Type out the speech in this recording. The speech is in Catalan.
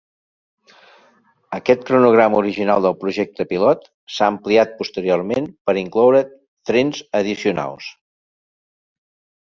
Aquest cronograma original del "projecte pilot" s'ha ampliat posteriorment per incloure trens addicionals.